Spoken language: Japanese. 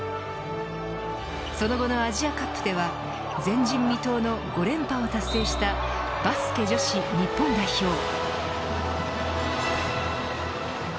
その後のアジアカップでは前人未到の５連覇を達成したバスケ女子日本代表。